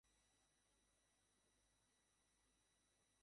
আমিই আল্লাহ, জগতসমূহের প্রতিপালক।